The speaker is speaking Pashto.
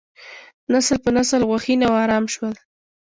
نسل په نسل غوښین او ارام شول.